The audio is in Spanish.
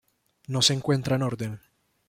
No se encuentra en orden.